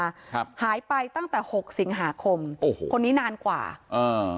ครับหายไปตั้งแต่หกสิงหาคมโอ้โหคนนี้นานกว่าอ่า